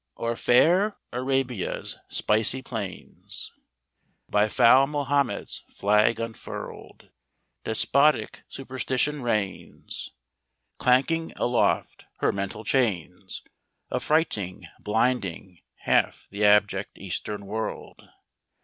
. i O'er fair Arabia's spicy plains, By foul Mahomet's flag unfurled, Despotic Superstition reigns, Clanking aloft her mental chains; Affrighting, blinding, half the abject Eastern world.